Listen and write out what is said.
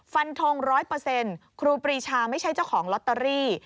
ฟันทง๑๐๐ครูปรีชาไม่ใช่เจ้าของลอตเตอรี่